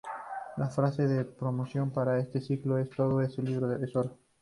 La frase de promoción para este ciclo es ""Todo ese brillo es oro"".